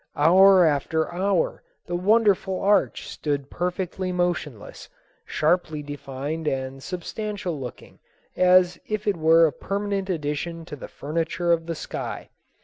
Hour after hour the wonderful arch stood perfectly motionless, sharply defined and substantial looking as if it were a permanent addition to the furniture of the sky.